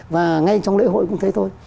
và ngay trong lễ hội cũng thế thôi